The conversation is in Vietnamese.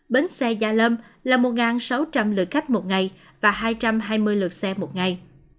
bến xe gia lâm là một sáu trăm linh lượt khách một ngày và hai trăm hai mươi lượt xe một ngày